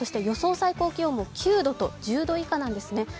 予想最高気温も９度と１０度以下なんですね。